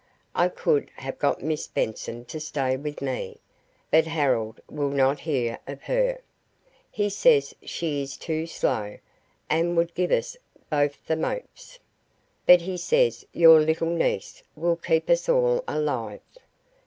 I could have got Miss Benson to stay with me, but Harold will not hear of her. He says she is too slow, and would give us both the mopes. But he says your little niece will keep us all alive.